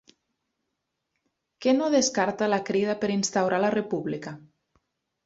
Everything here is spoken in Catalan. Què no descarta la Crida per instaurar la república?